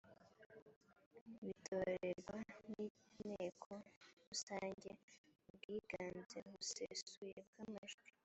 bitorerwa n’inteko rusange ku bwiganze busesuye bw’amajwi